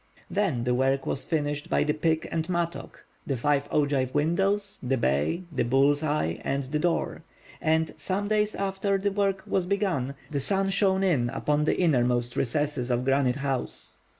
Then the work was finished by the pick and mattock—the five ogive windows, the bay, the bull's eyes, and the door—and, some days after the work was begun, the sun shone in upon the innermost recesses of Granite House.